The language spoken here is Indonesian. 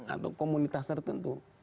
atau komunitas tertentu